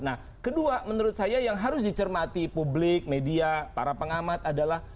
nah kedua menurut saya yang harus dicermati publik media para pengamat adalah